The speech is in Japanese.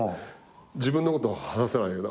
自分のこと話さないよな。